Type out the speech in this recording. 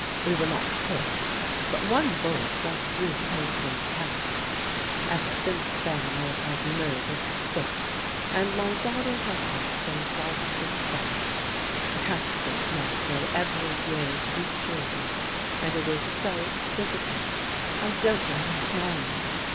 We were not hit, but one bullet went through the coachman's cap. Ever since then I have had nervous fits and my daughter has had St. Vitus' dance. We have to go to Moscow every year to be treated. And it is so difficult. I don't know how to manage.